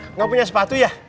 enggak punya sepatu ya